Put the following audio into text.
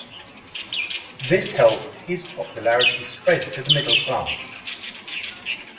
This helped his popularity spread to the middle class.